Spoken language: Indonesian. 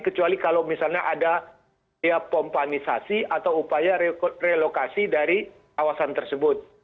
kecuali kalau misalnya ada pompanisasi atau upaya relokasi dari kawasan tersebut